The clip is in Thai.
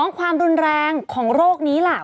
ความรุนแรงของโรคนี้ล่ะ